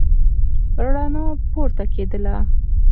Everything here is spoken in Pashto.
رڼا پورته کېدله.